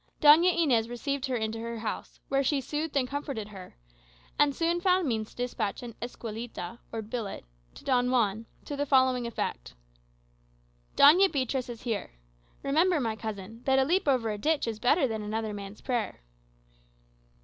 Doña Inez received her into her house, where she soothed and comforted her; and soon found means to despatch an "esquelita," or billet, to Don Juan, to the following effect: "Doña Beatriz is here. Remember, my cousin, 'that a leap over a ditch is better than another man's prayer.